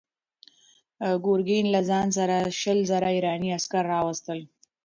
ګورګین له ځان سره شل زره ایراني عسکر راوستل.